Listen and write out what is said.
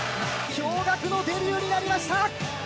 驚愕のデビューになりました！